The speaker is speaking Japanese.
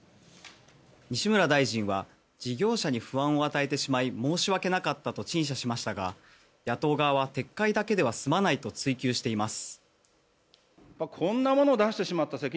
西村大臣は事業者に不安を与えてしまい申し訳なかったと陳謝しましたが野党側は撤回だけでは済まないと追及しています。